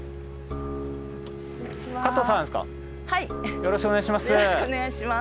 よろしくお願いします。